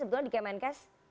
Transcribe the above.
sebetulnya di kmnk